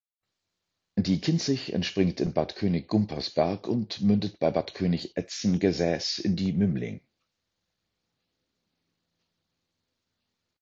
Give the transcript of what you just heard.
Die Kinzig entspringt in Bad König-Gumpersberg und mündet bei Bad König-Etzen-Gesäß in die Mümling.